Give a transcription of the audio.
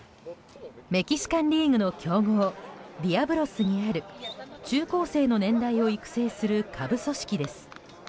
メキシカンリーグの強豪ディアブロスにある中高生の年代を育成する下部組織です。